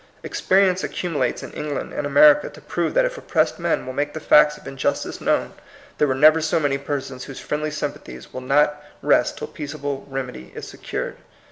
Experience accumulates in England and America to prove that if oppressed men will make the facts of in justice known, there were never so many persons whose friendly sympathies will not rest till peaceable remedy is secured.